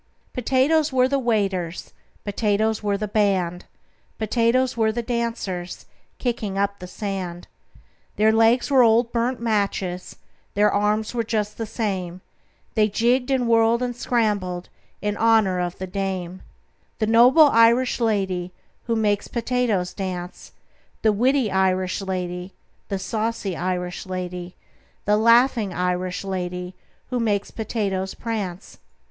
"Potatoes were the waiters, Potatoes were the band, Potatoes were the dancers Kicking up the sand: Their legs were old burnt matches, Their arms were just the same, They jigged and whirled and scrambled In honor of the dame: The noble Irish lady Who makes potatoes dance, The witty Irish lady, The saucy Irish lady, The laughing Irish lady Who makes potatoes prance.